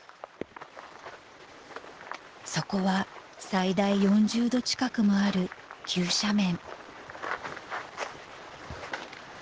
［そこは最大４０度近くもある急斜面］